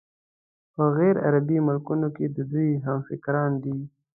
په غیرعربي ملکونو کې د دوی همفکران دي.